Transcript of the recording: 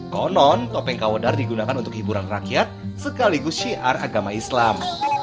konon topeng kawedar digunakan untuk hiburan rakyat sekaligus syiar agama islam